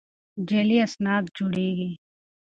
جعلي اسناد جوړېږي.